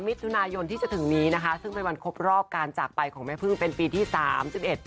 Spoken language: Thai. มิถุนายนที่จะถึงนี้นะคะซึ่งเป็นวันครบรอบการจากไปของแม่พึ่งเป็นปีที่สามสิบเอ็ด